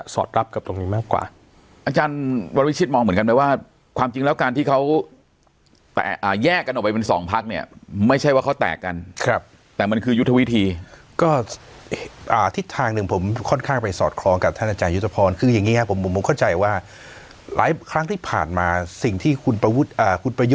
อดรับกับตรงนี้มากกว่าอาจารย์วันวิชิตมองเหมือนกันไหมว่าความจริงแล้วการที่เขาแยกกันออกไปเป็นสองพักเนี่ยไม่ใช่ว่าเขาแตกกันครับแต่มันคือยุทธวิธีก็ทิศทางหนึ่งผมค่อนข้างไปสอดคล้องกับท่านอาจารยุทธพรคืออย่างนี้ครับผมผมเข้าใจว่าหลายครั้งที่ผ่านมาสิ่งที่คุณประวุฒิคุณประยุ